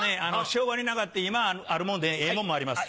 昭和になかって今あるもんでええもんもあります